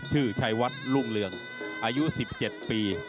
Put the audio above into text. ชื่อชัยวัดรุ่งเรืองอายุ๑๗ปี